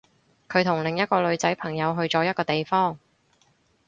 佢同另一個女仔朋友去咗一個地方